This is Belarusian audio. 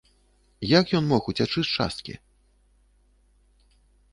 Як ён мог уцячы з часткі?